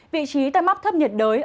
vị trí tâm áp thấp nhiệt đới